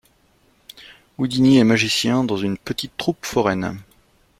Houdini est magicien dans une petite troupe foraine.